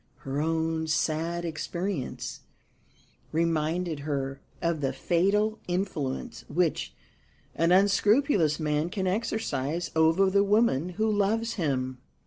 Her own sad experience reminded her of the fatal influence which an unscrupulous man can exercise over the woman who loves him.